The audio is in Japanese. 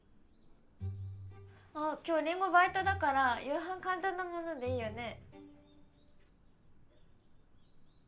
あっ今日りんごバイトだから夕飯簡単なものでいいよね？